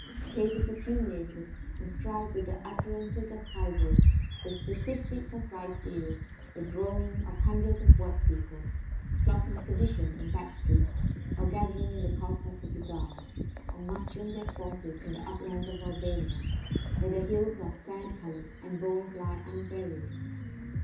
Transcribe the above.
Papers accumulated, inscribed with the utterances of Kaisers, the statistics of ricefields, the growling of hundreds of work people, plotting sedition in back streets, or gathering in the Calcutta bazaars, or mustering their forces in the uplands of Albania, where the hills are sand coloured, and bones lie unburied.